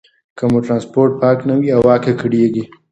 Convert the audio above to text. که مو ټرانسپورټ پاک نه وي، هوا ککړېږي.